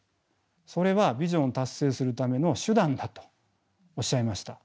それはビジョンを達成するための手段だとおっしゃいました。